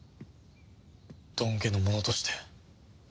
ドン家の者として。